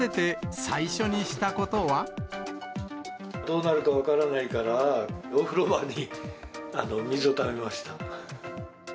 どうなるか分からないから、お風呂場に水をためました。